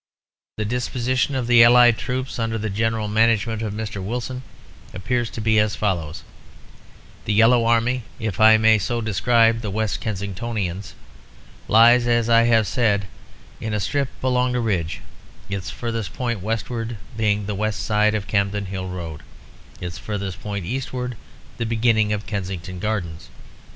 The disposition of the allied troops, under the general management of Mr. Wilson, appears to be as follows: The Yellow army (if I may so describe the West Kensingtonians) lies, as I have said, in a strip along the ridge, its furthest point westward being the west side of Campden Hill Road, its furthest point eastward the beginning of Kensington Gardens.